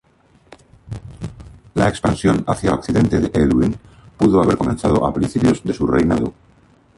La expansión hacia occidente de Edwin pudo haber comenzado a principios de su reinado.